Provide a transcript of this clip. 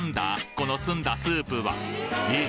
この澄んだスープはえ！？